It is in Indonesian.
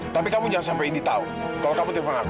tapi kamu jangan sampai indy tau kalau kamu telfon aku